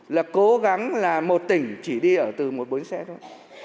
là cố gắng là một tỉnh chỉ đi ở từ một bến xe thôi